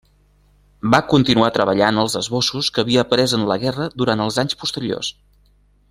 Va continuar treballant als esbossos que havia pres en la guerra durant els anys posteriors.